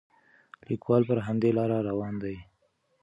لیکوال پر همدې لاره روان دی.